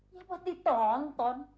ya buat ditonton